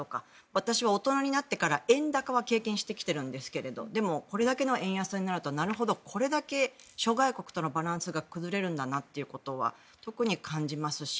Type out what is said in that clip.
私は大人になってから円高は経験してきてるんですけどでも、これだけの円安になるとなるほど、これだけ諸外国とのバランスが崩れるんだなということは特に感じますし。